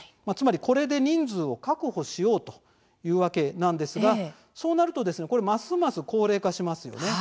これで人数を確保しようというわけなんですがそうなると、ますます高齢化しますよね。